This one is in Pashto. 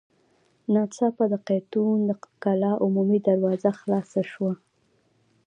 ناڅاپه د قيتول د کلا عمومي دروازه خلاصه شوه.